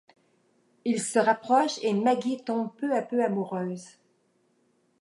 Ils se rapprochent et Maggie tombe peu à peu amoureuse.